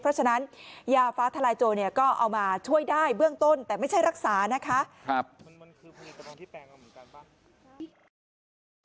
เพราะฉะนั้นยาฟ้าทลายโจรเนี่ยก็เอามาช่วยได้เบื้องต้นแต่ไม่ใช่รักษานะคะ